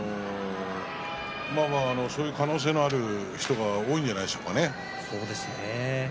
そういう可能性のある人が多いんじゃないでしょうかね。